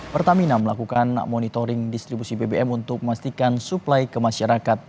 pertamina melakukan monitoring distribusi bbm untuk memastikan suplai ke masyarakat